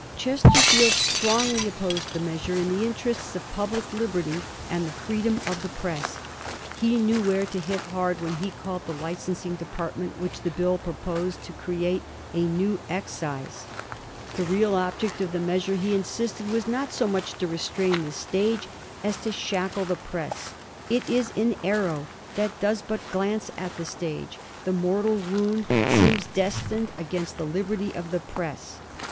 Chesterfield strongly opposed the measure in the interests of public liberty and the freedom of the press. He knew where to hit hard when he called the licensing department which the Bill proposed to create *^ a new excise." The real object of the measure, he insisted, was not so much to restrain the stage as to shackle the press. ^' It is an aiTow that does but glance at the stage; the mortal wound seems destined against the liberty of the press."